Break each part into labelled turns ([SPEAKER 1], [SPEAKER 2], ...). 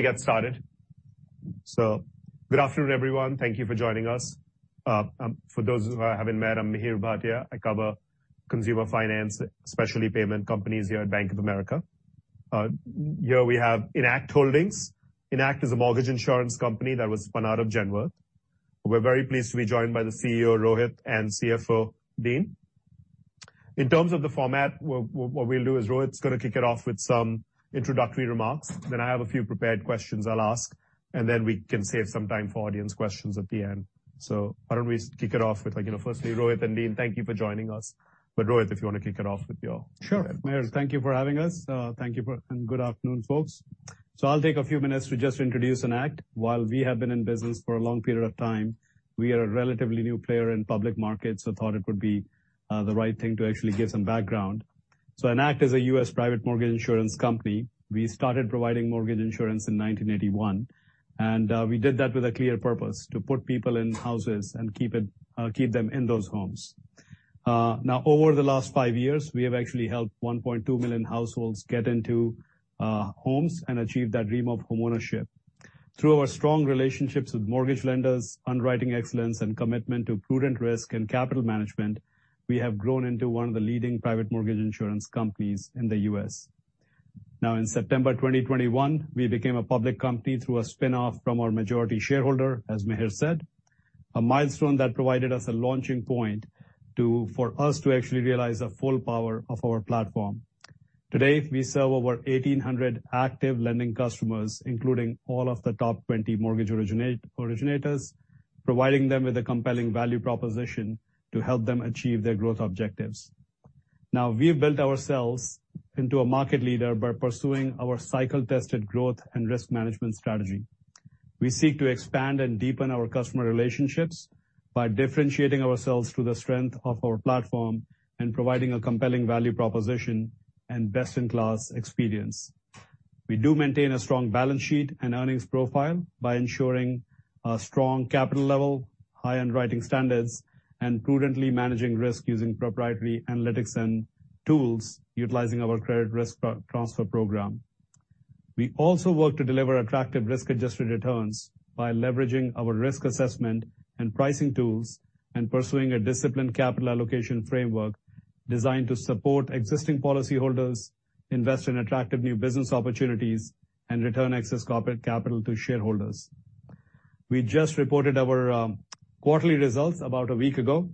[SPEAKER 1] To get started. Good afternoon, everyone. Thank you for joining us. For those of who I haven't met, I'm Mihir Bhatia. I cover consumer finance, especially payment companies here at Bank of America. Here we have Enact Holdings. Enact is a mortgage insurance company that was spun out of Genworth. We're very pleased to be joined by the CEO, Rohit, and CFO, Dean. In terms of the format, what we'll do is Rohit's gonna kick it off with some introductory remarks. I have a few prepared questions I'll ask, and then we can save some time for audience questions at the end. Why don't we kick it off with like, you know, firstly, Rohit and Dean, thank you for joining us. Rohit, if you wanna kick it off with your-
[SPEAKER 2] Sure. Mihir, thank you for having us. Thank you for good afternoon, folks. I'll take a few minutes to just introduce Enact. While we have been in business for a long period of time, we are a relatively new player in public markets, thought it would be the right thing to actually give some background. Enact is a U.S private mortgage insurance company. We started providing mortgage insurance in 1981, and we did that with a clear purpose: to put people in houses and keep them in those homes. Now, over the last 5 years, we have actually helped 1.2 million households get into homes and achieve that dream of homeownership. Through our strong relationships with mortgage lenders, underwriting excellence, and commitment to prudent risk and capital management, we have grown into one of the leading private mortgage insurance companies in the U.S. In September 2021, we became a public company through a spinoff from our majority shareholder, as Mihir said. A milestone that provided us a launching point for us to actually realize the full power of our platform. Today, we serve over 1,800 active lending customers, including all of the top 20 mortgage originators, providing them with a compelling value proposition to help them achieve their growth objectives. We've built ourselves into a market leader by pursuing our cycle-tested growth and risk management strategy. We seek to expand and deepen our customer relationships by differentiating ourselves through the strength of our platform and providing a compelling value proposition and best-in-class experience. We do maintain a strong balance sheet and earnings profile by ensuring a strong capital level, high underwriting standards, and prudently managing risk using proprietary analytics and tools, utilizing our credit risk transfer program. We also work to deliver attractive risk-adjusted returns by leveraging our risk assessment and pricing tools and pursuing a disciplined capital allocation framework designed to support existing policyholders, invest in attractive new business opportunities, and return excess corporate capital to shareholders. We just reported our quarterly results about a week ago,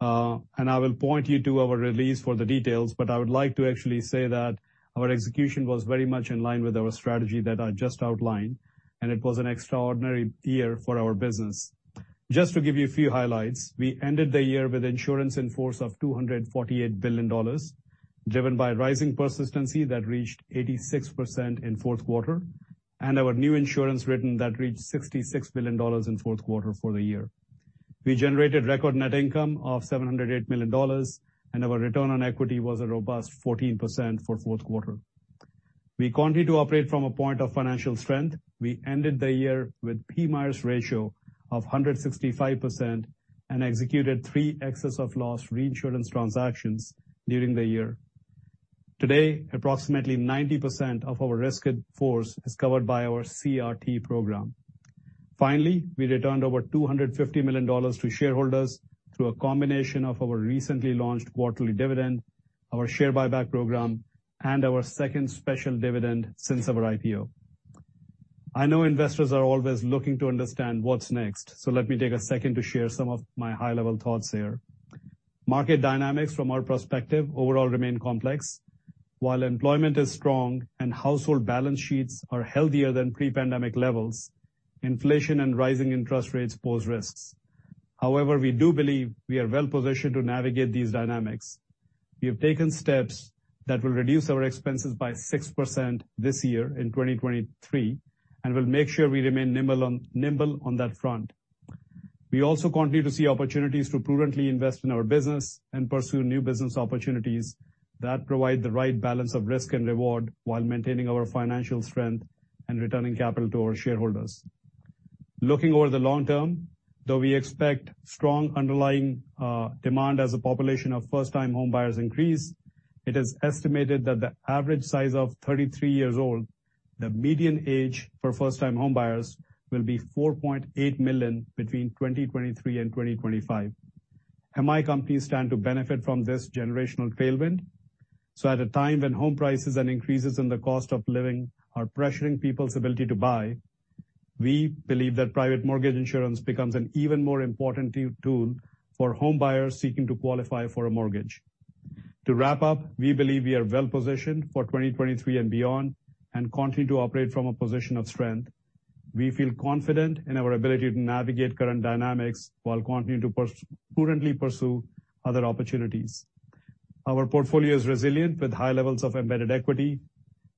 [SPEAKER 2] and I will point you to our release for the details, but I would like to actually say that our execution was very much in line with our strategy that I just outlined, and it was an extraordinary year for our business. Just to give you a few highlights, we ended the year with insurance in force of $248 billion, driven by rising persistency that reached 86% in fourth quarter, and our new insurance written that reached $66 billion in fourth quarter for the year. We generated record net income of $708 million, and our return on equity was a robust 14% for fourth quarter. We continue to operate from a point of financial strength. We ended the year with a PMIERs sufficiency ratio of 165% and executed three excess of loss reinsurance transactions during the year. Today, approximately 90% of our risk in force is covered by our CRT program. We returned over $250 million to shareholders through a combination of our recently launched quarterly dividend, our share buyback program, and our second special dividend since our IPO. I know investors are always looking to understand what's next, let me take a second to share some of my high-level thoughts here. Market dynamics from our perspective overall remain complex. While employment is strong and household balance sheets are healthier than pre-pandemic levels, inflation and rising interest rates pose risks. We do believe we are well-positioned to navigate these dynamics. We have taken steps that will reduce our expenses by 6% this year in 2023, we'll make sure we remain nimble on that front. We also continue to see opportunities to prudently invest in our business and pursue new business opportunities that provide the right balance of risk and reward while maintaining our financial strength and returning capital to our shareholders. Looking over the long term, though we expect strong underlying demand as the population of first-time homebuyers increase, it is estimated that the average size of 33 years old, the median age for first-time homebuyers, will be 4.8 million between 2023 and 2025. MI companies stand to benefit from this generational tailwind. At a time when home prices and increases in the cost of living are pressuring people's ability to buy, we believe that private mortgage insurance becomes an even more important tool for homebuyers seeking to qualify for a mortgage. To wrap up, we believe we are well-positioned for 2023 and beyond and continue to operate from a position of strength. We feel confident in our ability to navigate current dynamics while continuing to prudently pursue other opportunities. Our portfolio is resilient with high levels of embedded equity.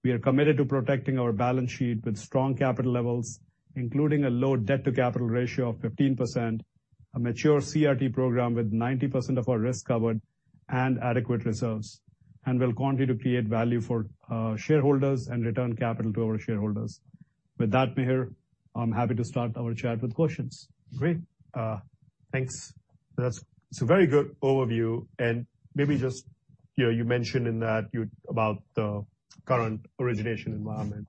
[SPEAKER 2] We are committed to protecting our balance sheet with strong capital levels, including a low debt-to-capital ratio of 15%, a mature CRT program with 90% of our risk covered and adequate reserves, and will continue to create value for shareholders and return capital to our shareholders. With that, Mihir, I'm happy to start our chat with questions.
[SPEAKER 1] Great. Thanks. It's a very good overview. Maybe just, you know, you mentioned in that about the current origination environment.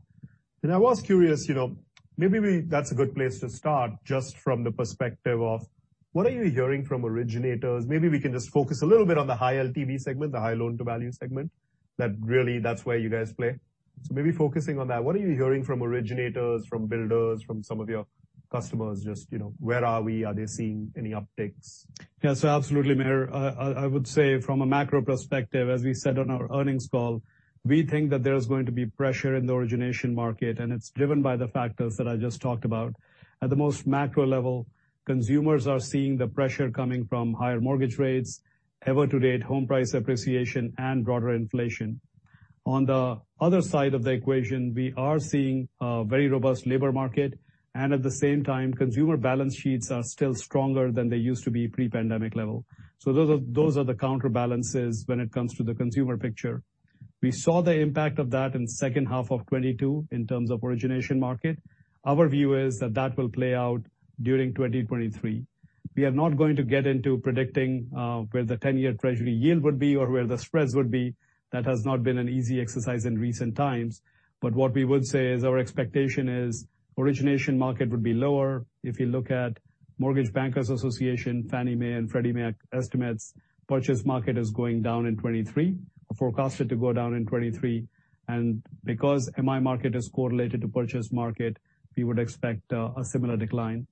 [SPEAKER 1] I was curious, you know, maybe that's a good place to start just from the perspective of what are you hearing from originators? Maybe we can just focus a little bit on the high LTV segment, the high loan-to-value segment, that really that's where you guys play. Maybe focusing on that, what are you hearing from originators, from builders, from some of your customers, just, you know, where are we? Are they seeing any upticks?
[SPEAKER 2] Absolutely, Mihir. I would say from a macro perspective, as we said on our earnings call, we think that there's going to be pressure in the origination market, and it's driven by the factors that I just talked about. At the most macro level, consumers are seeing the pressure coming from higher mortgage rates, ever to date home price appreciation and broader inflation. On the other side of the equation, we are seeing a very robust labor market, and at the same time, consumer balance sheets are still stronger than they used to be pre-pandemic level. Those are the counterbalances when it comes to the consumer picture. We saw the impact of that in second half of 2022 in terms of origination market. Our view is that that will play out during 2023. We are not going to get into predicting where the 10-year Treasury yield would be or where the spreads would be. That has not been an easy exercise in recent times. What we would say is our expectation is origination market would be lower. If you look at Mortgage Bankers Association, Fannie Mae and Freddie Mac estimates, purchase market is going down in 2023, forecasted to go down in 2023. Because MI market is correlated to purchase market, we would expect a similar decline.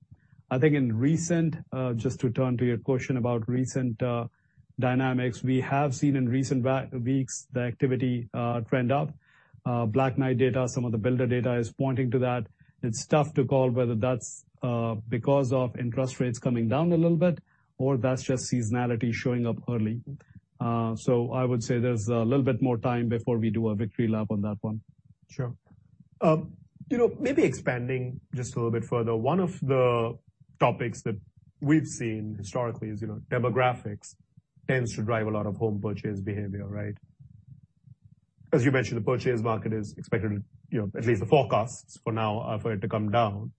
[SPEAKER 2] I think in recent, just to turn to your question about recent dynamics, we have seen in recent weeks the activity trend up. Black Knight data, some of the builder data is pointing to that. It's tough to call whether that's because of interest rates coming down a little bit or that's just seasonality showing up early. I would say there's a little bit more time before we do a victory lap on that one.
[SPEAKER 1] Sure. you know, maybe expanding just a little bit further, one of the topics that we've seen historically is, you know, demographics tends to drive a lot of home purchase behavior, right? As you mentioned, the purchase market is expected to, you know, at least the forecasts for now are for it to come down.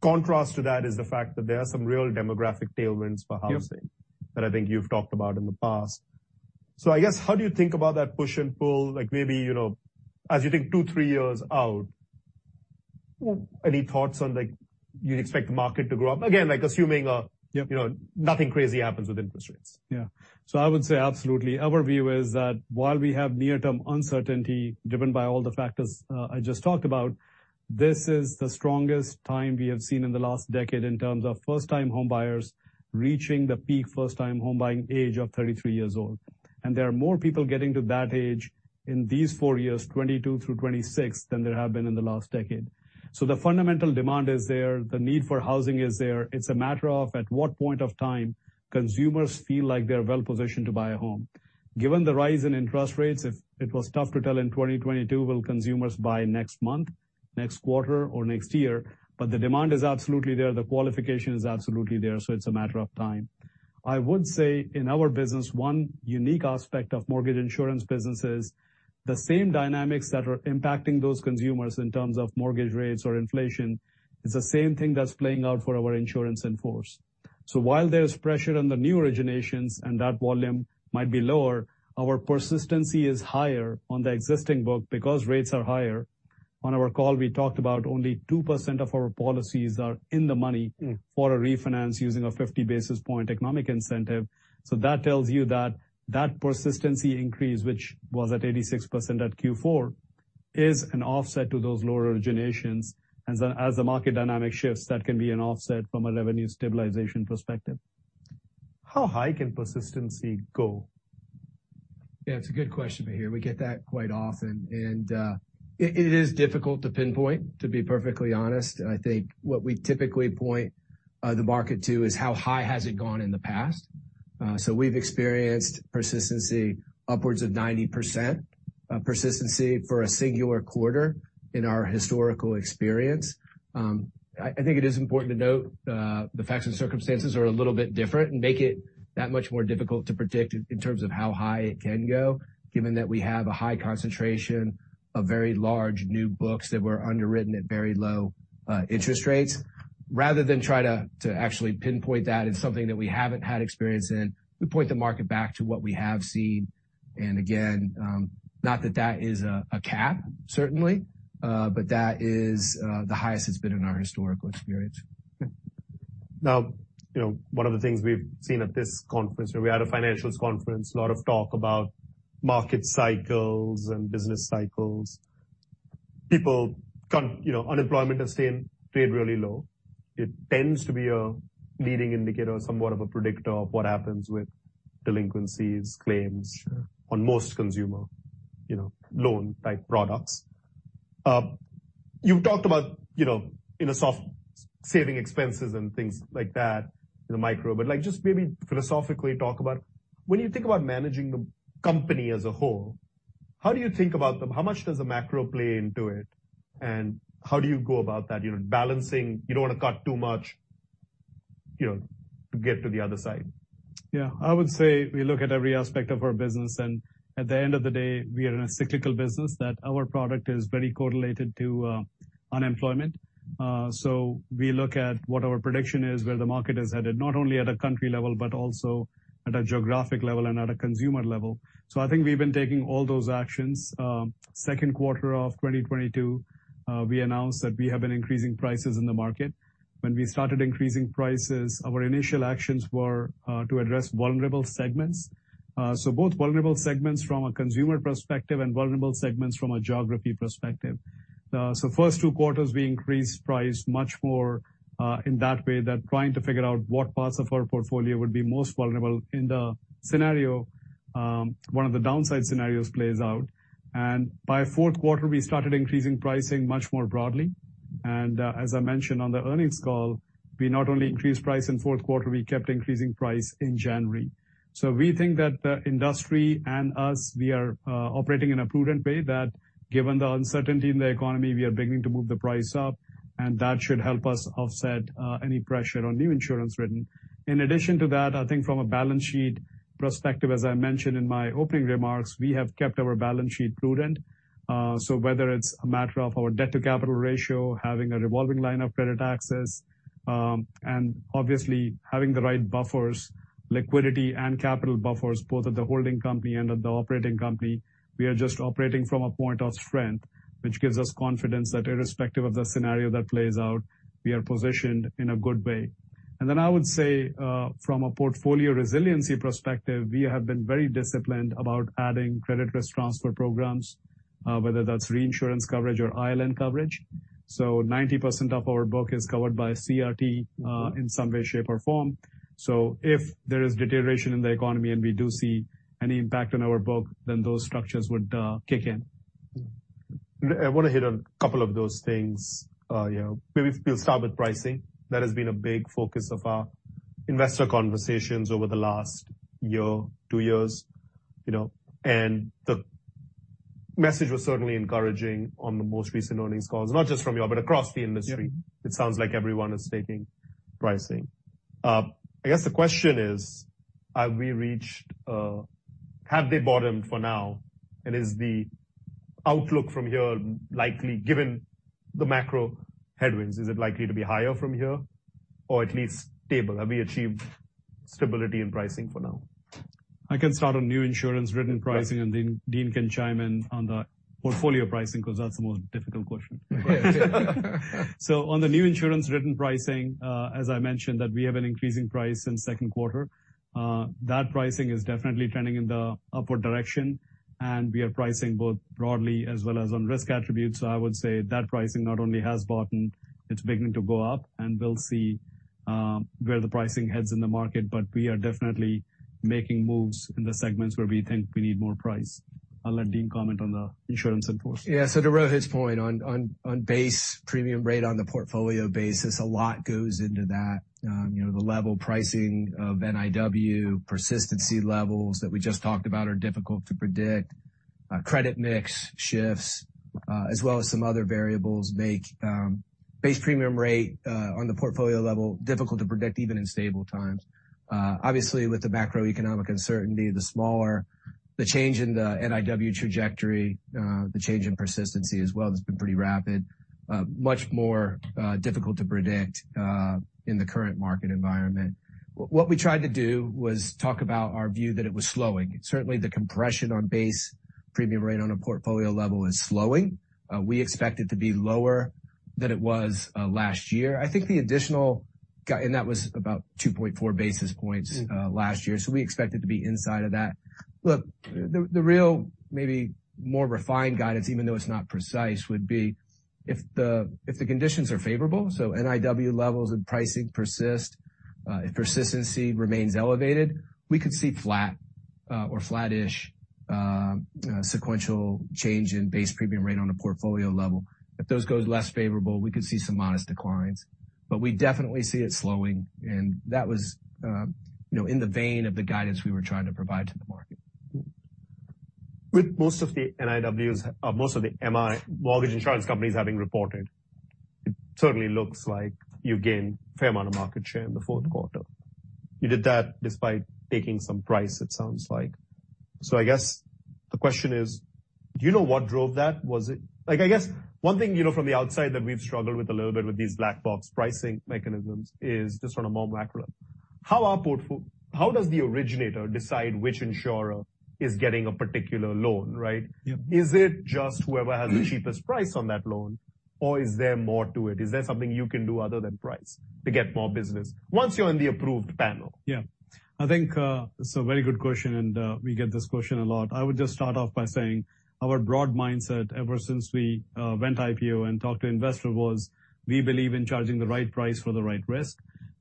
[SPEAKER 1] Contrast to that is the fact that there are some real demographic tailwinds for housing.
[SPEAKER 2] Yep.
[SPEAKER 1] -that I think you've talked about in the past. I guess, how do you think about that push and pull? Like maybe, you know, as you think two, three years out, any thoughts on, like, you'd expect the market to grow up? Again, like assuming.
[SPEAKER 2] Yep.
[SPEAKER 1] You know, nothing crazy happens with interest rates.
[SPEAKER 2] Yeah. I would say absolutely. Our view is that while we have near-term uncertainty driven by all the factors I just talked about, this is the strongest time we have seen in the last decade in terms of first-time homebuyers reaching the peak first-time homebuying age of 33 years old. There are more people getting to that age in these 4 years, 2022 through 2026, than there have been in the last decade. The fundamental demand is there. The need for housing is there. It's a matter of at what point of time consumers feel like they're well-positioned to buy a home. Given the rise in interest rates, it was tough to tell in 2022 will consumers buy next month, next quarter or next year, the demand is absolutely there. The qualification is absolutely there, It's a matter of time. I would say in our business, one unique aspect of mortgage insurance business is the same dynamics that are impacting those consumers in terms of mortgage rates or inflation is the same thing that's playing out for our insurance in force. While there's pressure on the new originations and that volume might be lower, our persistency is higher on the existing book because rates are higher. On our call, we talked about only 2% of our policies are in the money...
[SPEAKER 1] Mm.
[SPEAKER 2] for a refinance using a 50 basis point economic incentive. That tells you that that persistency increase, which was at 86% at Q4, is an offset to those lower originations. As the market dynamic shifts, that can be an offset from a revenue stabilization perspective.
[SPEAKER 1] How high can persistency go?
[SPEAKER 3] It's a good question, Mihir. We get that quite often, and it is difficult to pinpoint, to be perfectly honest. I think what we typically point the market to is how high has it gone in the past. We've experienced persistency upwards of 90% persistency for a singular quarter in our historical experience. I think it is important to note, the facts and circumstances are a little bit different and make it that much more difficult to predict in terms of how high it can go, given that we have a high concentration of very large new books that were underwritten at very low interest rates. Rather than try to actually pinpoint that in something that we haven't had experience in, we point the market back to what we have seen. Again, not that that is a cap, certainly, but that is the highest it's been in our historical experience.
[SPEAKER 1] You know, one of the things we've seen at this conference, we're at a financials conference, a lot of talk about market cycles and business cycles. People, you know, unemployment has stayed really low. It tends to be a leading indicator or somewhat of a predictor of what happens with delinquencies, claims-
[SPEAKER 3] Sure.
[SPEAKER 1] on most consumer, you know, loan type products. You've talked about, you know, in a soft saving expenses and things like that in the micro, but like just maybe philosophically talk about when you think about managing the company as a whole, how do you think about how much does the macro play into it, and how do you go about that, you know, balancing, you don't want to cut too much, you know, to get to the other side?
[SPEAKER 2] Yeah, I would say we look at every aspect of our business, at the end of the day, we are in a cyclical business that our product is very correlated to unemployment. We look at what our prediction is, where the market is headed, not only at a country level, but also at a geographic level and at a consumer level. I think we've been taking all those actions. second quarter of 2022, we announced that we have been increasing prices in the market. When we started increasing prices, our initial actions were to address vulnerable segments. both vulnerable segments from a consumer perspective and vulnerable segments from a geography perspective. First 2 quarters we increased price much more in that way than trying to figure out what parts of our portfolio would be most vulnerable in the scenario, one of the downside scenarios plays out. By fourth quarter, we started increasing pricing much more broadly. As I mentioned on the earnings call, we not only increased price in fourth quarter, we kept increasing price in January. We think that the industry and us, we are operating in a prudent way, that given the uncertainty in the economy, we are beginning to move the price up, and that should help us offset any pressure on new insurance written. In addition to that, I think from a balance sheet perspective, as I mentioned in my opening remarks, we have kept our balance sheet prudent. Whether it's a matter of our debt-to-capital ratio, having a revolving line of credit access, and obviously having the right buffers, liquidity and capital buffers, both at the holding company and at the operating company, we are just operating from a point of strength, which gives us confidence that irrespective of the scenario that plays out, we are positioned in a good way. I would say, from a portfolio resiliency perspective, we have been very disciplined about adding credit risk transfer programs, whether that's reinsurance coverage or ILN coverage. 90% of our book is covered by CRT, in some way, shape, or form. If there is deterioration in the economy and we do see any impact on our book, then those structures would kick in.
[SPEAKER 1] I wanna hit on a couple of those things. You know, maybe we'll start with pricing. That has been a big focus of our investor conversations over the last year, 2 years, you know. The message was certainly encouraging on the most recent earnings calls, not just from you, but across the industry.
[SPEAKER 2] Yeah.
[SPEAKER 1] It sounds like everyone is taking pricing. I guess the question is, have we reached, have they bottomed for now? Is the outlook from here likely, given the macro headwinds, is it likely to be higher from here? Or at least stable? Have we achieved stability in pricing for now?
[SPEAKER 2] I can start on new insurance-written pricing, and then Dean can chime in on the portfolio pricing, 'cause that's the most difficult question.
[SPEAKER 1] Yeah.
[SPEAKER 2] On the new insurance written pricing, as I mentioned, that we have been increasing price since second quarter. That pricing is definitely trending in the upward direction, and we are pricing both broadly as well as on risk attributes. I would say that pricing not only has bottomed, it's beginning to go up. We'll see, where the pricing heads in the market, but we are definitely making moves in the segments where we think we need more price. I'll let Dean comment on the insurance in force.
[SPEAKER 3] So to Rohit's point on base premium rate on the portfolio basis, a lot goes into that. You know, the level pricing of NIW, persistency levels that we just talked about are difficult to predict. Credit mix shifts, as well as some other variables make base premium rate on the portfolio level difficult to predict even in stable times. Obviously with the macroeconomic uncertainty, the smaller the change in the NIW trajectory, the change in persistency as well has been pretty rapid. Much more difficult to predict in the current market environment. What we tried to do was talk about our view that it was slowing. Certainly the compression on base premium rate on a portfolio level is slowing. We expect it to be lower than it was last year. I think the additional and that was about 2.4 basis points last year. We expect it to be inside of that. The real maybe more refined guidance, even though it's not precise, would be if the conditions are favorable, so NIW levels and pricing persist, if persistency remains elevated, we could see flat or flat-ish sequential change in base premium rate on a portfolio level. If those go less favorable, we could see some modest declines. We definitely see it slowing, and that was, you know, in the vein of the guidance we were trying to provide to the market.
[SPEAKER 1] With most of the NIWs, most of the MI, mortgage insurance companies having reported, it certainly looks like you gained a fair amount of market share in the fourth quarter. You did that despite taking some price, it sounds like. I guess the question is, do you know what drove that? Like, I guess one thing, you know, from the outside that we've struggled with a little bit with these black box pricing mechanisms is just from a more macro. How does the originator decide which insurer is getting a particular loan, right?
[SPEAKER 2] Yeah.
[SPEAKER 1] Is it just whoever has the cheapest price on that loan, or is there more to it? Is there something you can do other than price to get more business once you're in the approved panel?
[SPEAKER 2] Yeah. I think, it's a very good question, we get this question a lot. I would just start off by saying our broad mindset ever since we went IPO and talked to investors was we believe in charging the right price for the right risk.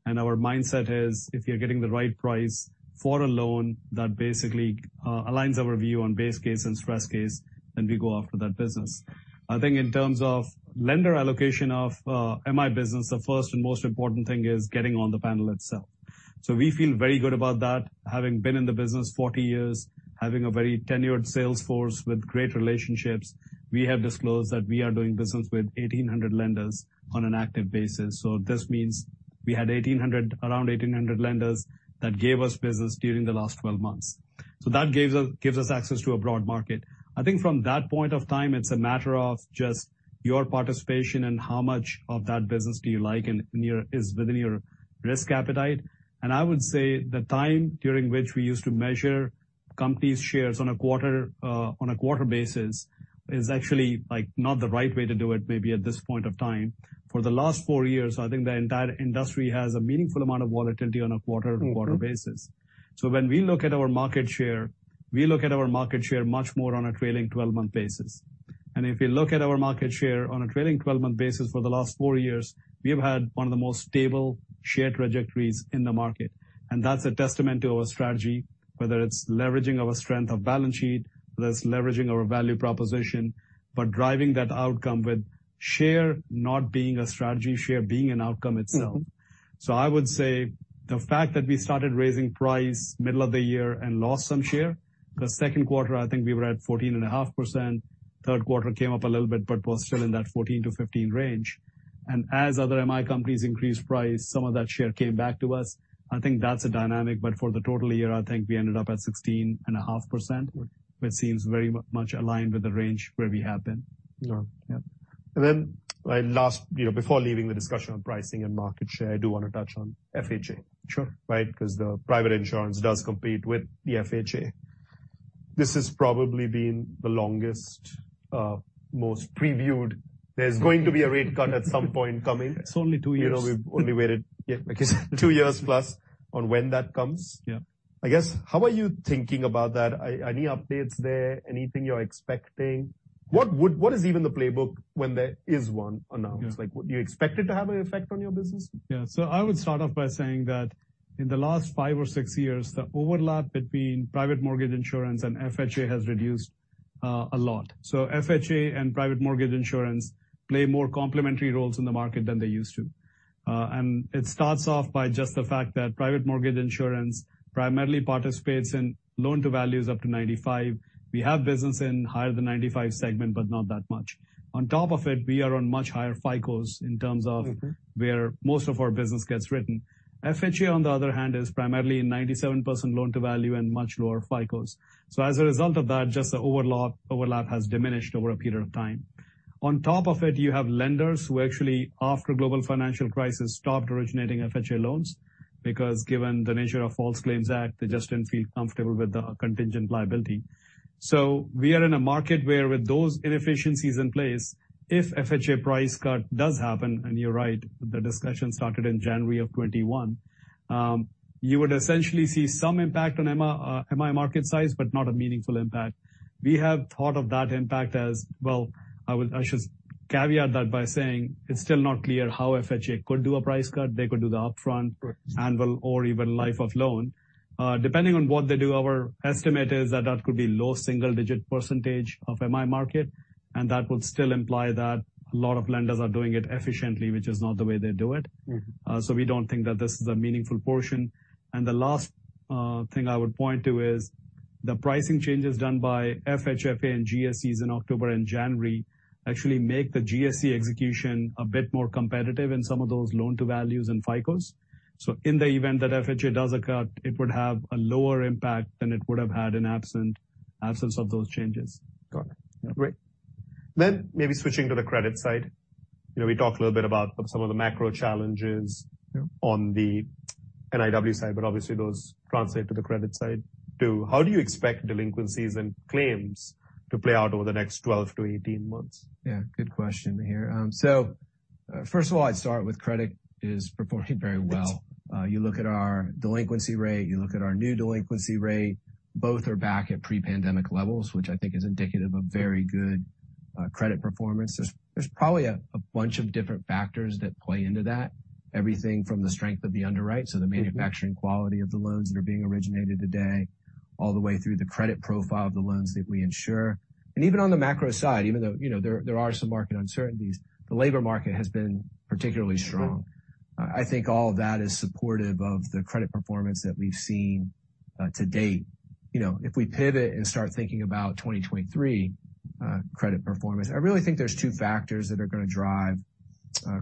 [SPEAKER 2] Our mindset is, if you're getting the right price for a loan, that basically, aligns our view on base case and stress case, then we go after that business. I think in terms of lender allocation of MI business, the first and most important thing is getting on the panel itself. We feel very good about that, having been in the business 40 years, having a very tenured sales force with great relationships. We have disclosed that we are doing business with 1,800 lenders on an active basis. This means we had 1,800, around 1,800 lenders that gave us business during the last 12 months. That gives us access to a broad market. I think from that point of time, it's a matter of just your participation and how much of that business do you like is within your risk appetite. I would say the time during which we used to measure companies shares on a quarter basis is actually like not the right way to do it maybe at this point of time. For the last 4 years, I think the entire industry has a meaningful amount of volatility on a quarter-to-quarter basis. When we look at our market share, we look at our market share much more on a trailing 12-month basis. If you look at our market share on a trailing 12-month basis for the last four years, we have had one of the most stable share trajectories in the market. That's a testament to our strategy, whether it's leveraging our strength of balance sheet, whether it's leveraging our value proposition, but driving that outcome with share not being a strategy, share being an outcome itself. I would say the fact that we started raising price middle of the year and lost some share, the second quarter, I think we were at 14.5%. Third quarter came up a little bit but was still in that 14%-15% range. As other MI companies increased price, some of that share came back to us. I think that's a dynamic, but for the total year, I think we ended up at 16.5%, which seems very much aligned with the range where we have been.
[SPEAKER 1] Yeah.
[SPEAKER 2] Yeah.
[SPEAKER 1] Like, last, you know, before leaving the discussion on pricing and market share, I do wanna touch on FHA.
[SPEAKER 2] Sure.
[SPEAKER 1] Right? 'Cause the private insurance does compete with the FHA. This has probably been the longest, most previewed. There's going to be a rate cut at some point coming.
[SPEAKER 2] It's only two years.
[SPEAKER 1] You know, we've only waited, yeah, I guess two years plus on when that comes.
[SPEAKER 2] Yeah.
[SPEAKER 1] I guess, how are you thinking about that? Any updates there? Anything you're expecting? What is even the playbook when there is one announced? Like, do you expect it to have an effect on your business?
[SPEAKER 2] Yeah. I would start off by saying that in the last 5 or 6 years, the overlap between private mortgage insurance and FHA has reduced a lot. FHA and private mortgage insurance play more complementary roles in the market than they used to. It starts off by just the fact that private mortgage insurance primarily participates in loan-to-values up to 95. We have business in higher than 95 segment, but not that much. On top of it, we are on much higher FICOs in terms of. -where most of our business gets written. FHA on the other hand, is primarily in 97% loan-to-value and much lower FICOs. As a result of that, just the overlap has diminished over a period of time. On top of it, you have lenders who actually, after global financial crisis, stopped originating FHA loans because given the nature of False Claims Act, they just didn't feel comfortable with the contingent liability. We are in a market where with those inefficiencies in place, if FHA price cut does happen, and you're right, the discussion started in January of 2021, you would essentially see some impact on MI market size, but not a meaningful impact. We have thought of that impact as, well, I should caveat that by saying it's still not clear how FHA could do a price cut. They could do the upfront.
[SPEAKER 1] Correct.
[SPEAKER 2] -annul or even life of loan. Depending on what they do, our estimate is that that could be low single-digit percentage of MI market, and that would still imply that a lot of lenders are doing it efficiently, which is not the way they do it. We don't think that this is a meaningful portion. The last thing I would point to is the pricing changes done by FHFA and GSEs in October and January actually make the GSE execution a bit more competitive in some of those loan-to-values and FICOs. In the event that FHA does a cut, it would have a lower impact than it would have had in absence of those changes.
[SPEAKER 1] Got it. Great. Maybe switching to the credit side. You know, we talked a little bit about some of the macro challenges...
[SPEAKER 2] Yeah.
[SPEAKER 1] On the NIW side, but obviously those translate to the credit side too. How do you expect delinquencies and claims to play out over the next 12 to 18 months?
[SPEAKER 3] Yeah, good question here. First of all, I'd start with credit is performing very well. You look at our delinquency rate, you look at our new delinquency rate, both are back at pre-pandemic levels, which I think is indicative of very good credit performance. There's probably a bunch of different factors that play into that. Everything from the strength of the underwrite- The manufacturing quality of the loans that are being originated today, all the way through the credit profile of the loans that we insure. Even on the macro side, even though, you know, there are some market uncertainties, the labor market has been particularly strong. I think all of that is supportive of the credit performance that we've seen to date. You know, if we pivot and start thinking about 2023 credit performance, I really think there's two factors that are gonna drive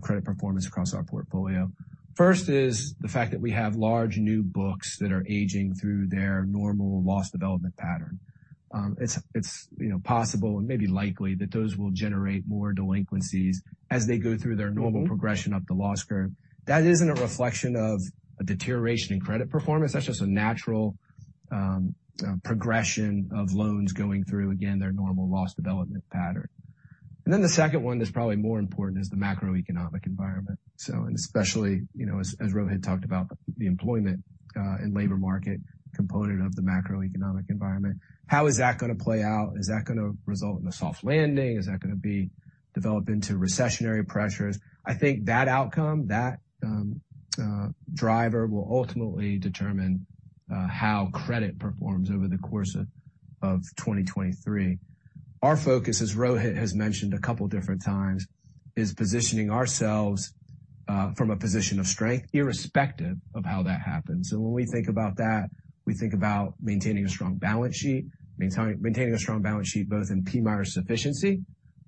[SPEAKER 3] credit performance across our portfolio. First is the fact that we have large new books that are aging through their normal loss development pattern. It's, you know, possible and maybe likely that those will generate more delinquencies as they go through their normal progression up the loss curve. That isn't a reflection of a deterioration in credit performance. That's just a natural progression of loans going through, again, their normal loss development pattern. The second one that's probably more important is the macroeconomic environment. Especially, you know, as Rohit had talked about, the employment and labor market component of the macroeconomic environment. How is that gonna play out? Is that gonna result in a soft landing? Is that gonna be developed into recessionary pressures? I think that outcome, that driver will ultimately determine how credit performs over the course of 2023. Our focus, as Rohit has mentioned a couple different times, is positioning ourselves from a position of strength irrespective of how that happens. When we think about that, we think about maintaining a strong balance sheet, maintaining a strong balance sheet both in PMIERs sufficiency,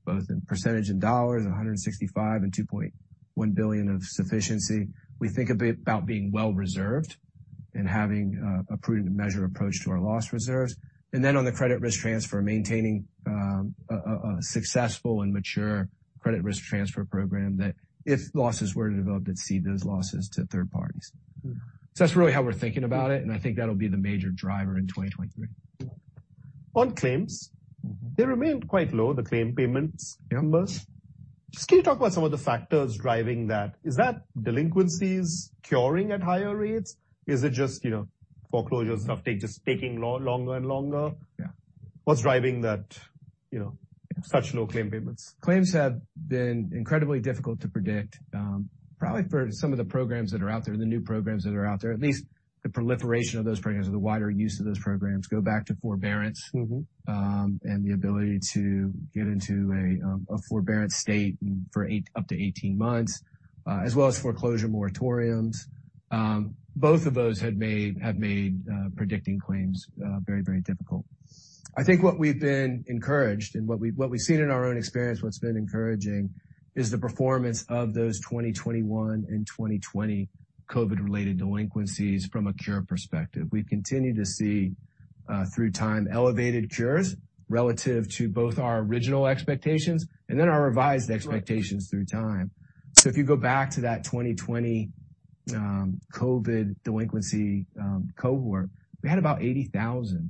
[SPEAKER 3] both in percentage in dollars, 165% and $2.1 billion of sufficiency. We think a bit about being well reserved. And having a prudent measure approach to our loss reserves. Then on the credit risk transfer, maintaining a successful and mature credit risk transfer program that if losses were to develop, it'd cede those losses to third parties. That's really how we're thinking about it, and I think that'll be the major driver in 2023.
[SPEAKER 1] On claims they remained quite low, the claim payments numbers. Just can you talk about some of the factors driving that? Is that delinquencies curing at higher rates? Is it just, you know, foreclosures and stuff taking longer and longer?
[SPEAKER 3] Yeah.
[SPEAKER 1] What's driving that, you know, such low claim payments?
[SPEAKER 3] Claims have been incredibly difficult to predict, probably for some of the programs that are out there, the new programs that are out there. At least the proliferation of those programs or the wider use of those programs go back to forbearance. The ability to get into a forbearance state and for up to 18 months as well as foreclosure moratoriums. Both of those have made predicting claims very, very difficult. I think what we've been encouraged and what we've seen in our own experience, what's been encouraging is the performance of those 2021 and 2020 COVID-related delinquencies from a cure perspective. We've continued to see through time elevated cures relative to both our original expectations and then our revised expectations through time. If you go back to that 2020 COVID delinquency cohort, we had about 80,000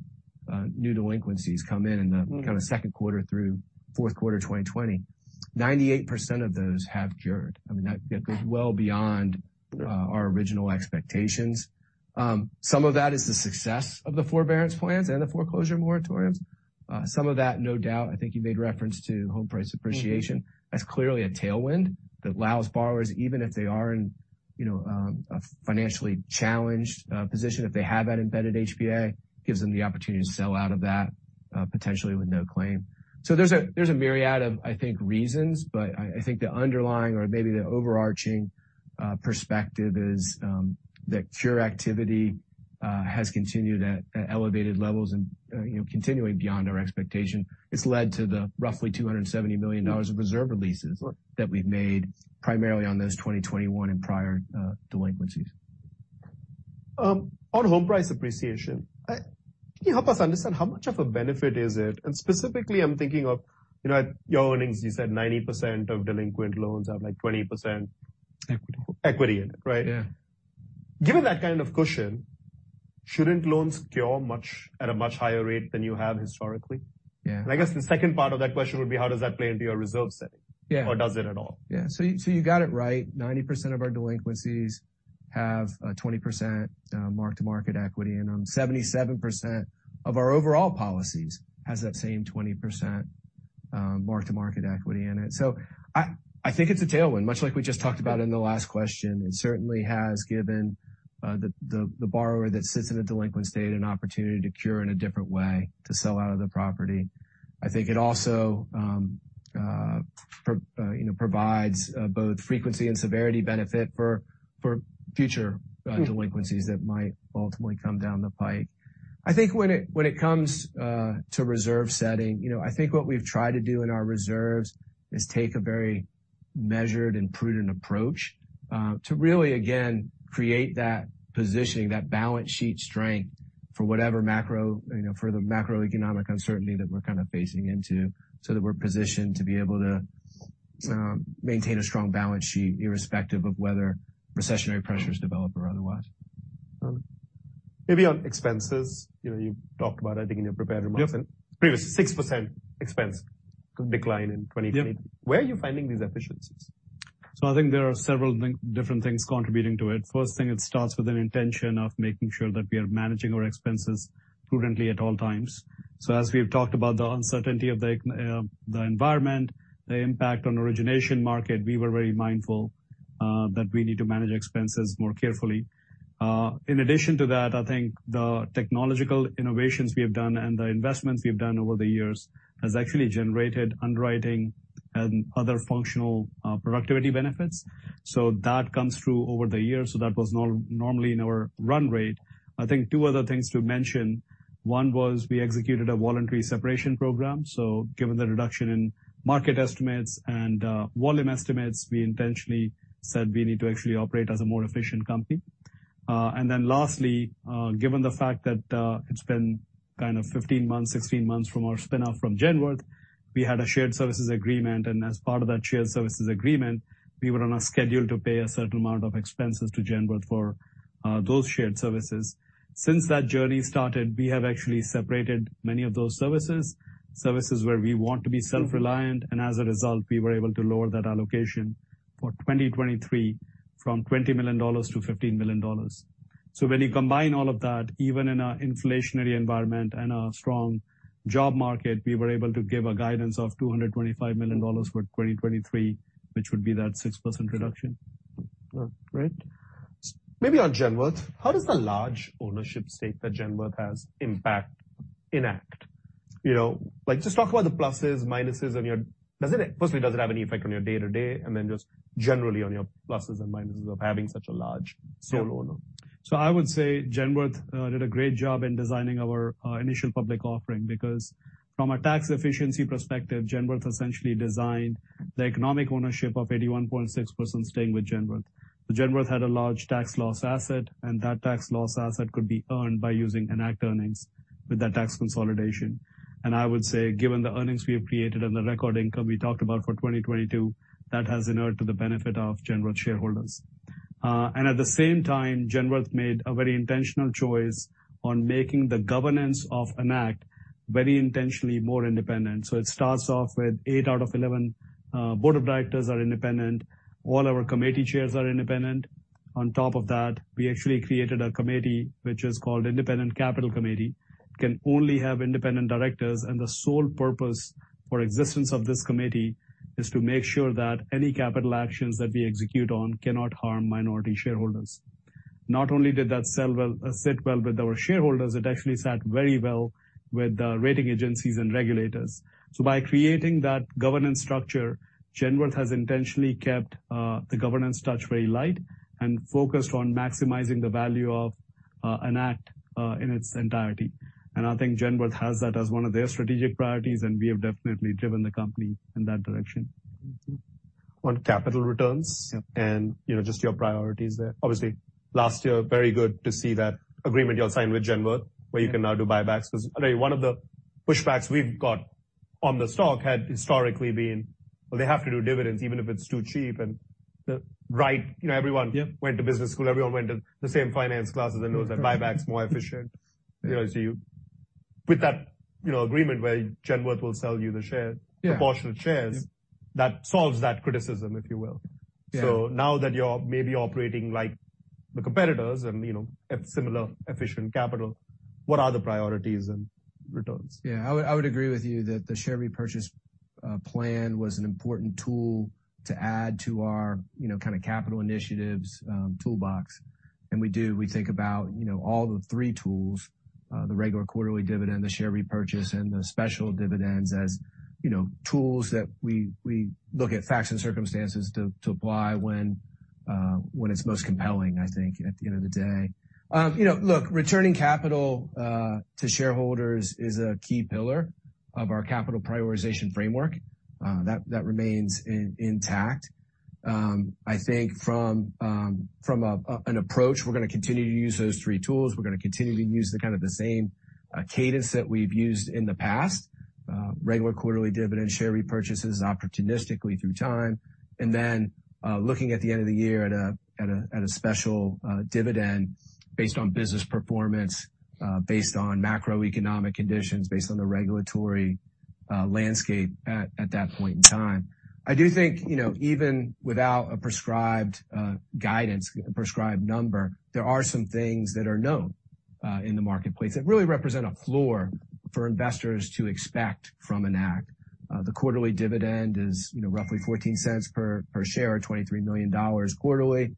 [SPEAKER 3] new delinquencies come in kind of second quarter through fourth quarter of 2020. 98% of those have cured. I mean, that goes well beyond our original expectations. Some of that is the success of the forbearance plans and the foreclosure moratoriums. Some of that, no doubt, I think you made reference to home price appreciation. That's clearly a tailwind that allows borrowers, even if they are in, you know, a financially challenged position, if they have that embedded HPA, gives them the opportunity to sell out of that, potentially with no claim. There's a, there's a myriad of, I think, reasons, but I think the underlying or maybe the overarching perspective is, that cure activity has continued at elevated levels and, you know, continuing beyond our expectation. It's led to the roughly $270 million of reserve releases.
[SPEAKER 1] Sure.
[SPEAKER 3] that we've made primarily on those 2021 and prior, delinquencies.
[SPEAKER 1] On home price appreciation, can you help us understand how much of a benefit is it? Specifically I'm thinking of, you know, at your earnings you said 90% of delinquent loans have like 20%...
[SPEAKER 3] Equity.
[SPEAKER 1] equity in it, right?
[SPEAKER 3] Yeah.
[SPEAKER 1] Given that kind of cushion, shouldn't loans cure much, at a much higher rate than you have historically?
[SPEAKER 3] Yeah.
[SPEAKER 1] I guess the second part of that question would be how does that play into your reserve setting?
[SPEAKER 3] Yeah.
[SPEAKER 1] Does it at all?
[SPEAKER 3] You got it right. 90% of our delinquencies have 20% mark-to-market equity, and 77% of our overall policies has that same 20% mark-to-market equity in it. I think it's a tailwind, much like we just talked about in the last question. It certainly has given the borrower that sits in a delinquent state an opportunity to cure in a different way, to sell out of the property. I think it also, you know, provides both frequency and severity benefit for future delinquencies that might ultimately come down the pike. I think when it comes to reserve setting, you know, I think what we've tried to do in our reserves is take a very measured and prudent approach to really again create that positioning, that balance sheet strength for whatever macro, you know, for the macroeconomic uncertainty that we're kind of facing into, so that we're positioned to be able to maintain a strong balance sheet irrespective of whether recessionary pressures develop or otherwise.
[SPEAKER 1] Maybe on expenses, you know, you talked about I think in your prepared remarks and previous 6% expense decline in 2020.
[SPEAKER 3] Yeah.
[SPEAKER 1] Where are you finding these efficiencies?
[SPEAKER 3] I think there are several different things contributing to it. First thing, it starts with an intention of making sure that we are managing our expenses prudently at all times. As we've talked about the uncertainty of the environment, the impact on origination market, we were very mindful that we need to manage expenses more carefully. In addition to that, I think the technological innovations we have done and the investments we've done over the years has actually generated underwriting and other functional productivity benefits. That comes through over the years, so that was normally in our run rate. I think two other things to mention. One was we executed a voluntary separation program. Given the reduction in market estimates and volume estimates, we intentionally said we need to actually operate as a more efficient company. Lastly, given the fact that it's been kind of 15 months, 16 months from our spin out from Genworth, we had a shared services agreement, and as part of that shared services agreement, we were on a schedule to pay a certain amount of expenses to Genworth for those shared services. Since that journey started, we have actually separated many of those services where we want to be self-reliant, and as a result, we were able to lower that allocation for 2023 from $20 million to $15 million. When you combine all of that, even in an inflationary environment and a strong job market, we were able to give a guidance of $225 million for 2023, which would be that 6% reduction.
[SPEAKER 1] Great. Maybe on Genworth, how does the large ownership stake that Genworth has impact Enact? You know, like just talk about the pluses, minuses on your. Does it, firstly, does it have any effect on your day-to-day? Just generally on your pluses and minuses of having such a large sole owner?
[SPEAKER 3] I would say Genworth did a great job in designing our initial public offering because from a tax efficiency perspective, Genworth essentially designed the economic ownership of 81.6% staying with Genworth. Genworth had a large tax loss asset, and that tax loss asset could be earned by using Enact earnings with that tax consolidation. I would say given the earnings we have created and the record income we talked about for 2022, that has inured to the benefit of Genworth shareholders. At the same time, Genworth made a very intentional choice on making the governance of Enact very intentionally more independent. It starts off with eight out of 11 board of directors are independent. All our committee chairs are independent. On top of that, we actually created a committee which is called Independent Capital Committee. Can only have independent directors, and the sole purpose for existence of this committee is to make sure that any capital actions that we execute on cannot harm minority shareholders. Not only did that sit well with our shareholders, it actually sat very well with the rating agencies and regulators. By creating that governance structure, Genworth has intentionally kept the governance touch very light and focused on maximizing the value of Enact in its entirety. I think Genworth has that as one of their strategic priorities, and we have definitely driven the company in that direction.
[SPEAKER 1] On capital returns-
[SPEAKER 3] Yep.
[SPEAKER 1] You know, just your priorities there. Obviously last year, very good to see that agreement you all signed with Genworth where you can now do buybacks. I know one of the pushbacks we've got on the stock had historically been, "Well, they have to do dividends even if it's too cheap." The right, you know, everyone-
[SPEAKER 3] Yep.
[SPEAKER 1] went to business school, everyone went to the same finance classes and knows that buyback's more efficient. You know, with that, you know, agreement where Genworth will sell you the.
[SPEAKER 3] Yeah.
[SPEAKER 1] proportion of shares.
[SPEAKER 3] Yeah.
[SPEAKER 1] That solves that criticism, if you will.
[SPEAKER 3] Yeah.
[SPEAKER 1] Now that you're maybe operating like the competitors and, you know, at similar efficient capital, what are the priorities and returns?
[SPEAKER 3] Yeah. I would agree with you that the share repurchase plan was an important tool to add to our, you know, kinda capital initiatives toolbox. We think about, you know, all the three tools, the regular quarterly dividend, the share repurchase, and the special dividends as, you know, tools that we look at facts and circumstances to apply when it's most compelling, I think, at the end of the day. You know, look, returning capital to shareholders is a key pillar of our capital prioritization framework. That remains intact. I think from an approach, we're gonna continue to use those three tools. We're gonna continue to use the kind of the same cadence that we've used in the past. Regular quarterly dividend, share repurchases opportunistically through time. Looking at the end of the year at a special dividend based on business performance, based on macroeconomic conditions, based on the regulatory landscape at that point in time. I do think, you know, even without a prescribed guidance, prescribed number, there are some things that are known in the marketplace that really represent a floor for investors to expect from Enact. The quarterly dividend is, you know, roughly $0.14 per share or $23 million quarterly.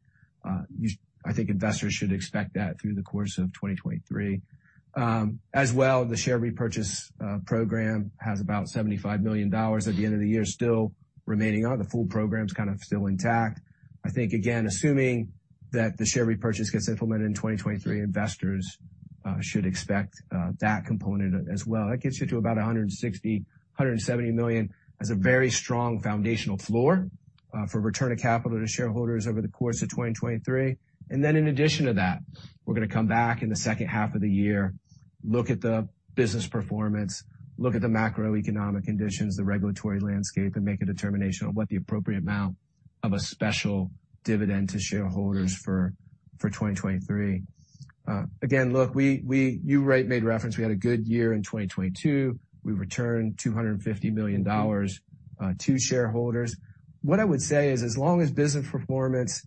[SPEAKER 3] I think investors should expect that through the course of 2023. As well, the share repurchase program has about $75 million at the end of the year still remaining. The full program's kind of still intact. I think, again, assuming that the share repurchase gets implemented in 2023, investors should expect that component as well. That gets you to about $160 million-$170 million as a very strong foundational floor for return of capital to shareholders over the course of 2023. In addition to that, we're gonna come back in the second half of the year, look at the business performance, look at the macroeconomic conditions, the regulatory landscape, and make a determination on what the appropriate amount of a special dividend to shareholders for 2023. Again, look, we, you right, made reference, we had a good year in 2022. We returned $250 million to shareholders. What I would say is as long as business performance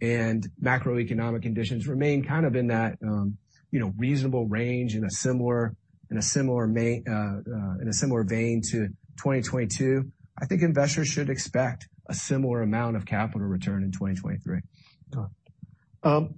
[SPEAKER 3] and macroeconomic conditions remain kind of in that, you know, reasonable range in a similar vein to 2022, I think investors should expect a similar amount of capital return in 2023.
[SPEAKER 1] Got it.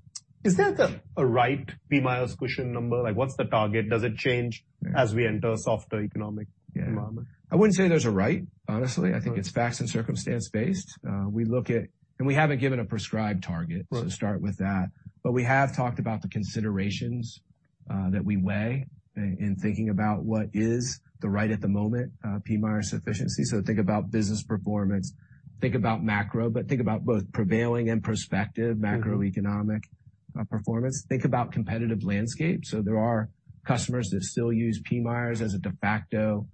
[SPEAKER 1] Is there like a right PMIERs cushion number? Like, what's the target? Does it change as we enter a softer economic environment?
[SPEAKER 3] Yeah. I wouldn't say there's a right, honestly. I think it's facts and circumstance based. We haven't given a prescribed target.
[SPEAKER 1] Right.
[SPEAKER 3] Start with that. We have talked about the considerations that we weigh in thinking about what is the right-at-the-moment PMIERs sufficiency. Think about business performance, think about macro, but think about both prevailing and prospective macroeconomic, performance. Think about competitive landscape. There are customers that still use PMIERs as a de facto,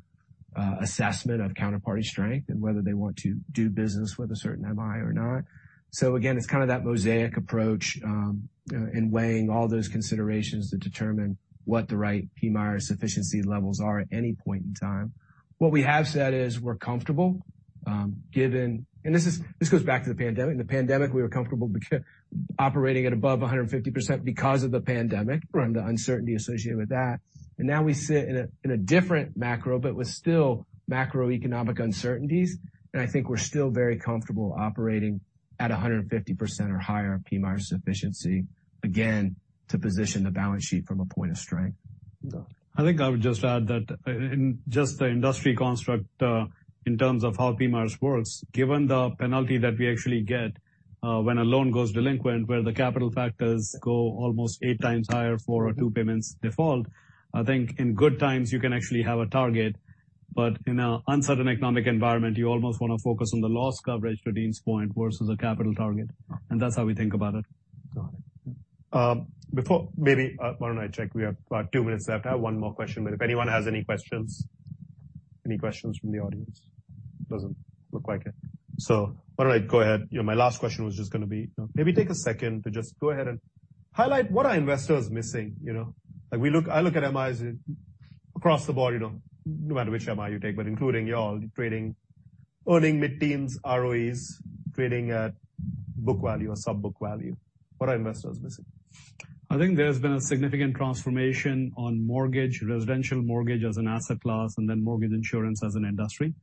[SPEAKER 3] assessment of counterparty strength and whether they want to do business with a certain MI or not. Again, it's kind of that mosaic approach, in weighing all those considerations to determine what the right PMIERs sufficiency levels are at any point in time. What we have said is we're comfortable, given... And this goes back to the pandemic. In the pandemic, we were comfortable operating at above 150% because of the pandemic.
[SPEAKER 1] Right.
[SPEAKER 3] The uncertainty associated with that. Now we sit in a different macro, but with still macroeconomic uncertainties, and I think we're still very comfortable operating at 150% or higher PMIERs sufficiency, again, to position the balance sheet from a point of strength.
[SPEAKER 1] Got it.
[SPEAKER 2] I think I would just add that in just the industry construct, in terms of how PMIERs works, given the penalty that we actually get, when a loan goes delinquent, where the capital factors go almost eight times higher for a two payments default, I think in good times you can actually have a target. In a uncertain economic environment, you almost wanna focus on the loss coverage, Dean's point, versus a capital target. That's how we think about it.
[SPEAKER 1] Got it. Before maybe, why don't I check, we have about two minutes left. I have one more question, but if anyone has any questions. Any questions from the audience? Doesn't look like it. Why don't I go ahead? You know, my last question was just gonna be, maybe take a second to just go ahead and highlight what are investors missing, you know? Like I look at MIs across the board, you know, no matter which MI you take, but including y'all, trading earning mid-teens ROEs, trading at book value or sub-book value. What are investors missing?
[SPEAKER 2] I think there's been a significant transformation on mortgage, residential mortgage as an asset class, and then mortgage insurance as an industry.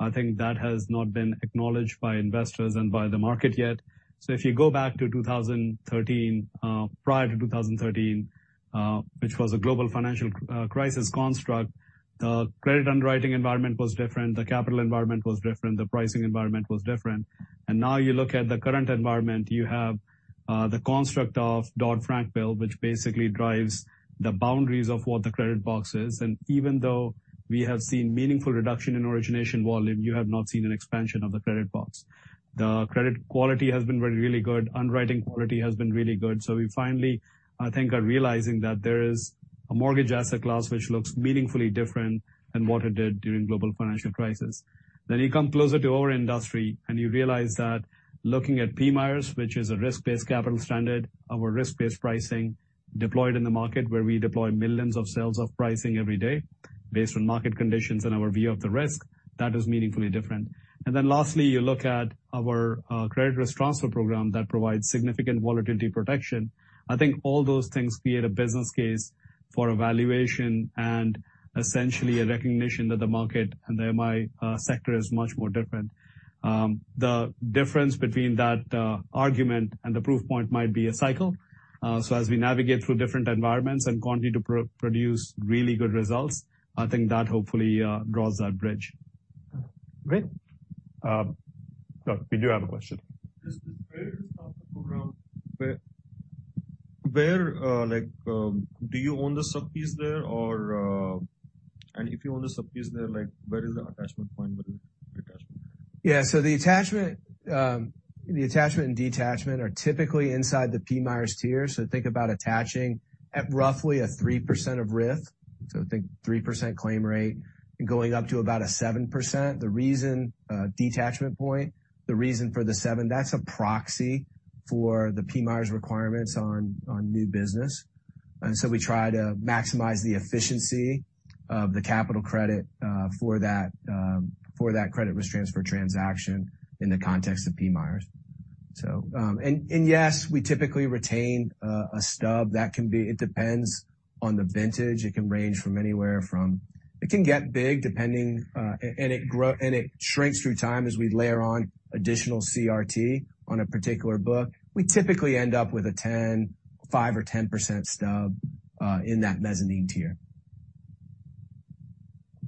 [SPEAKER 2] I think that has not been acknowledged by investors and by the market yet. If you go back to 2013, prior to 2013, which was a global financial crisis construct, the credit underwriting environment was different, the capital environment was different, the pricing environment was different. Now you look at the current environment, you have the construct of Dodd-Frank bill, which basically drives the boundaries of what the credit box is. Even though we have seen meaningful reduction in origination volume, you have not seen an expansion of the credit box. The credit quality has been really good. Underwriting quality has been really good. We finally, I think, are realizing that there is a mortgage asset class which looks meaningfully different than what it did during global financial crisis. You come closer to our industry, and you realize that looking at PMIERs, which is a risk-based capital standard, our risk-based pricing deployed in the market where we deploy millions of sales of pricing every day based on market conditions and our view of the risk, that is meaningfully different. Lastly, you look at our credit risk transfer program that provides significant volatility protection. I think all those things create a business case for a valuation and essentially a recognition that the market and the MI sector is much more different. The difference between that argument and the proof point might be a cycle. As we navigate through different environments and continue to produce really good results, I think that hopefully draws that bridge.
[SPEAKER 1] Great. Oh, we do have a question.
[SPEAKER 4] This credit risk transfer program, where, like, do you own the sub-piece there or? If you own the sub-piece there, like where is the attachment point with the attachment?
[SPEAKER 3] Yeah. The attachment, the attachment and detachment are typically inside the PMIERs tier. Think about attaching at roughly a 3% of risk. Think 3% claim rate and going up to about a 7%. The reason, detachment point, the reason for the seven, that's a proxy for the PMIERs requirements on new business. We try to maximize the efficiency of the capital credit for that credit risk transfer transaction in the context of PMIERs. Yes, we typically retain a stub that can be, it depends on the vintage. It can range from anywhere from. It can get big depending, and it grow, and it shrinks through time as we layer on additional CRT on a particular book. We typically end up with a 10, five or 10% stub, in that mezzanine tier.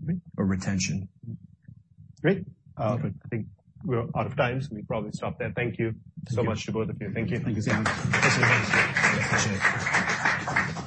[SPEAKER 1] Great.
[SPEAKER 3] Retention.
[SPEAKER 1] Great. I think we're out of time. We probably stop there. Thank you so much to both of you. Thank you.
[SPEAKER 2] Thank you.
[SPEAKER 3] Thanks. Appreciate it.